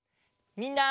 みんな！